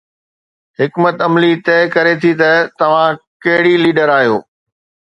حڪمت عملي طئي ڪري ٿي ته توهان ڪهڙي ليڊر آهيو.